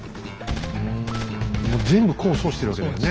うん全部功を奏しているわけだよね